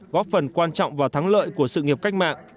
góp phần quan trọng vào thắng lợi của sự nghiệp cách mạng